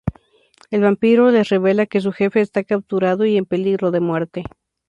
El vampiro les revela que su jefe está capturado y en peligro de muerte.